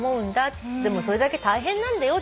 でもそれだけ大変なんだよ。